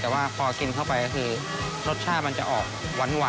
แต่ว่าพอกินเข้าไปก็คือรสชาติมันจะออกหวาน